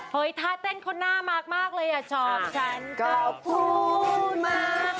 เฮ้ยถ้าเต้นคนน่ามากเลยเหรอนะคะชอบชั้นก็พูดมัก